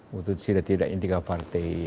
butuh tiga tiga intikah partai